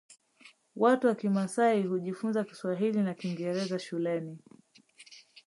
Watu wa kimasai hujifunza kiswahili na kingeraza shuleni